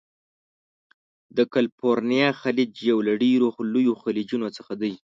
د کلفورنیا خلیج یو له ډیرو لویو خلیجونو څخه دی.